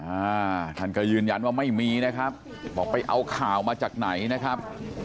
อ่าท่านก็ยืนยันว่าไม่มีนะครับบอกไปเอาข่าวมาจากไหนนะครับ